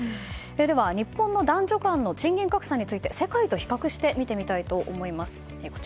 では日本の男女間の賃金格差について世界と比較して見てみたいと思います。